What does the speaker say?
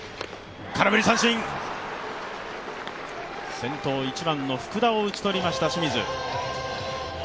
先頭・１番の福田を打ち取りました、清水。